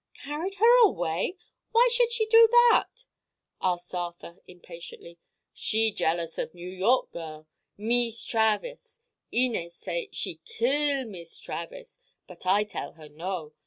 "Carried her away! Why should she do that?" asked Arthur impatiently. "She jealous of New York girl—Mees Travers. Inez say she kill Mees Travers; but I tell her no.